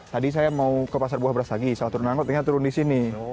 tadi saya mau ke pasar buah brastagi saya turun angkut tinggal turun di sini